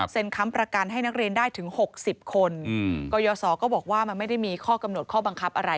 ค้ำประกันให้นักเรียนได้ถึง๖๐คนกรยศก็บอกว่ามันไม่ได้มีข้อกำหนดข้อบังคับอะไร